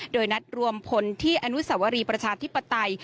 โดยนัดรวมพลที่อนุสวรีประชาธิปไตย